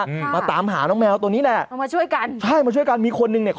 อืมมาตามหาน้องแมวตัวนี้แหละเอามาช่วยกันใช่มาช่วยกันมีคนนึงเนี้ย